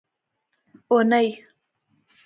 اونۍ